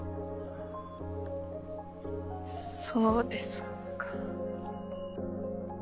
そうですか。